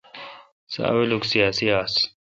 سو اولوک سیاسی آس۔